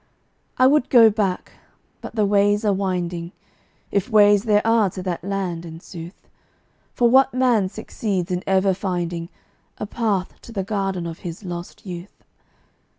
I would go back, but the ways are winding, If ways there are to that land, in sooth, For what man succeeds in ever finding A path to the garden of his lost youth?